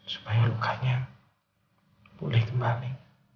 supaya lukanya boleh kembali